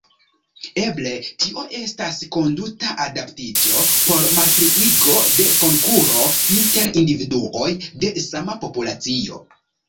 Eble tio estas konduta adaptiĝo por malpliigo de konkuro inter individuoj de sama populacio.